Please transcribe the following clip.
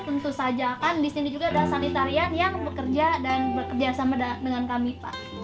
tentu saja kan di sini juga ada sanitarian yang bekerja dan bekerja sama dengan kami pak